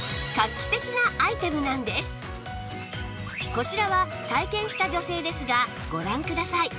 こちらは体験した女性ですがご覧ください